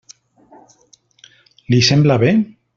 Li sembla bé?